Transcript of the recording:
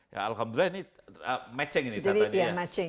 ya alhamdulillah ini matching ini data ini ya